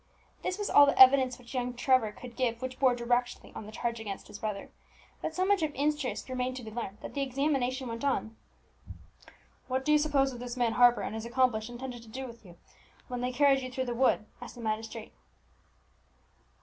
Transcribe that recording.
This was all the evidence which young Trevor could give which bore directly on the charge against his brother; but so much of interest remained to be learned, that the examination went on. "What do you suppose that this man Harper and his accomplice intended to do with you, when they carried you through the wood?" asked the magistrate.